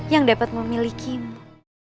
yang dapat memilikimu